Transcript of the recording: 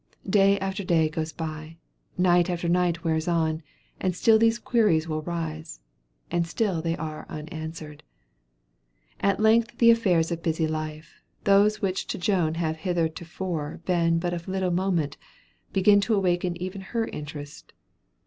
Day after day goes by, night after night wears on, and still these queries will arise, and still they are unanswered. At length the affairs of busy life, those which to Joan have heretofore been of but little moment, begin to awaken even her interest.